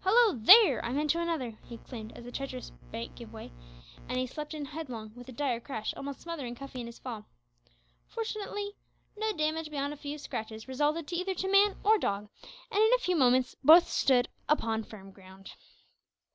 Hallo! there, I'm into another!" he exclaimed as the treacherous bank gave way, and he slipped in headlong, with a dire crash, almost smothering Cuffy in his fall. Fortunately, no damage, beyond a few scratches, resulted either to dog or man, and in a few minutes more both stood upon firm ground.